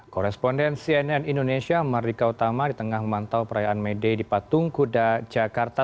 koresponden cnn indonesia mardika utama di tengah memantau perayaan may day di patung kuda jakarta